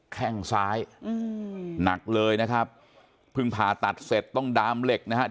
แข้งซ้ายอืมหนักเลยนะครับเพิ่งผ่าตัดเสร็จต้องดามเหล็กนะฮะ